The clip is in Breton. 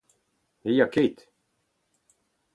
Ne'z a ket.